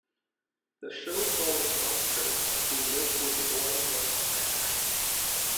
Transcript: The show follows Monster who lives with a boy named Max.